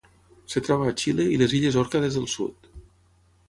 Es troba a Xile i les Illes Òrcades del Sud.